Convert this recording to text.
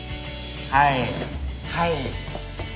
はいはい。